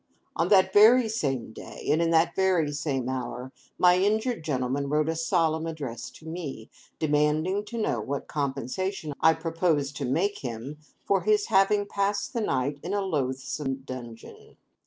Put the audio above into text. On that very same day, and in that very same hour, my injured gentleman wrote a solemn address to me, demanding to know what compensation I proposed to make him for his having passed the night in a 'loathsome dungeon.